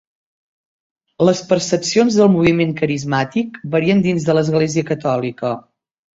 Les percepcions del moviment carismàtic varien dins de l'Església catòlica.